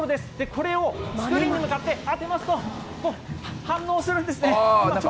これをスクリーンに向かって当てますと、反応するんですね。